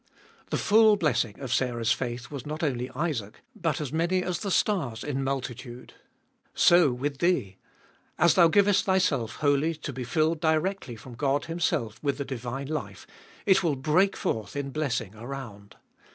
4. The full blessing of Sarah's faith was not only Isaac, but as many as the stars in multi tude. So with thee. As thou giuest thyself wholly to be filled directly from God Himself with the divine life, it will break forth in blessing around.